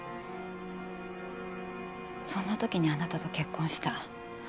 そんなときにあなたと結婚した。